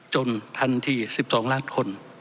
จนทันที๑๒ล้านคน